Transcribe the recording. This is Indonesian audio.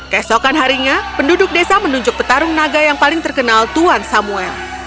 kesokan harinya penduduk desa menunjuk petarung naga yang paling terkenal tuan samuel